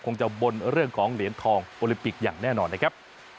คงจะบนเรื่องของเหรียญทองโอลิมปิกอย่างแน่นอนนะครับ